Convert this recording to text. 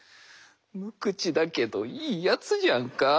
無口だけどいいやつじゃんか。